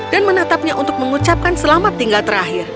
dan menatapnya untuk mengucapkan selamat tinggal terakhir